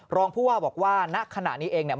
รองผู้ว่าบอกว่าณขณะนี้เองเนี่ย